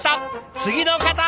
次の方！